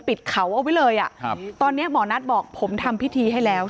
ปิดเขาเอาไว้เลยอ่ะครับตอนเนี้ยหมอนัทบอกผมทำพิธีให้แล้ว